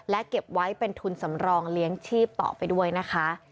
และเก็บไว้เป็นทุนสำรองเลี้ยงชีพต่อไปด้วยนะคะ